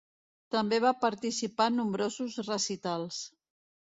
També va participar en nombrosos recitals.